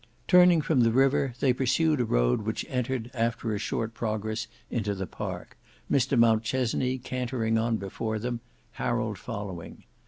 Turning from the river, they pursued a road which entered after a short progress into the park, Mr Mountchesney cantering on before them, Harold following.